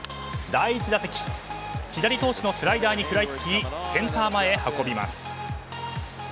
第１打席左投手のスライダーに食らいつきセンター前へ運びます。